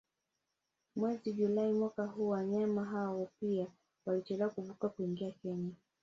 Mwezi Julai mwaka huu wanyama hao pia walichelewa kuvuka kuingia Kenya